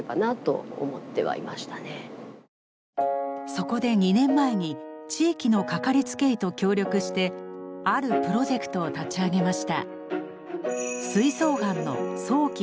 そこで２年前に地域のかかりつけ医と協力してあるプロジェクトを立ち上げました。